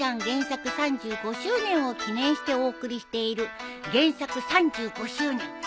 原作３５周年を記念してお送りしている「原作３５周年！」